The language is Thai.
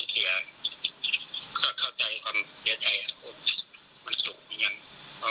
ผมก็เข้าใจความเสียใจมันถูกยังไง